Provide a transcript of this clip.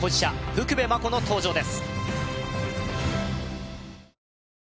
福部真子の登場ですあーーー！